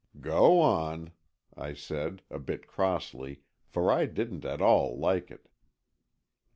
"Go on," I said, a bit crossly, for I didn't at all like it.